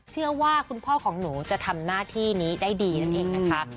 เชื่อว่าคุณพ่อของหนูจะทำหน้าที่นี้ได้ดีนั่นเองนะคะ